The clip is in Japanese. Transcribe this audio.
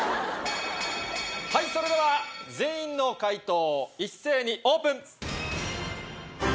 それでは全員の解答一斉にオープン！